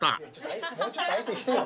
もうちょっと相手してよ。